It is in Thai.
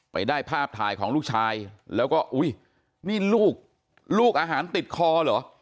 ไปได้ภาพถ่ายของลูกชายแล้วก็อุ้ยนี่ลูกลูกอาหารติดคอเหรอ